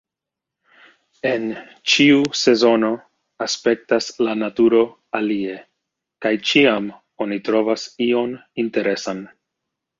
En ĉiu sezono aspektas la naturo alie... kaj ĉiam oni trovas ion interesan.